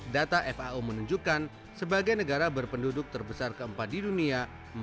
data fao menunjukkan sebagai negara berpenduduk terbesar keempat di dunia